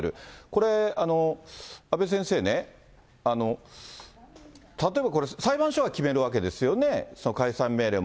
これ、阿部先生ね、例えばこれ、裁判所が決めるわけですよね。